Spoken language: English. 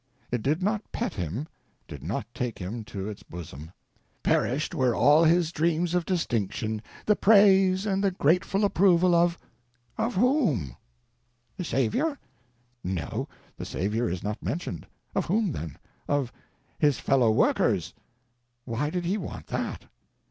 It did not pet him, did not take him to its bosom. "Perished were all his dreams of distinction, the praise and grateful approval—" Of whom? The Savior? No; the Savior is not mentioned. Of whom, then? Of "his fellow workers." Why did he want that?